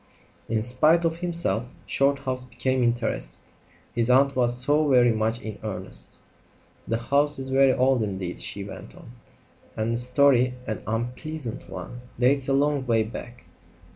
In spite of himself Shorthouse became interested. His aunt was so very much in earnest. "The house is very old indeed," she went on, "and the story an unpleasant one dates a long way back.